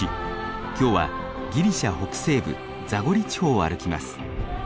今日はギリシャ北西部ザゴリ地方を歩きます。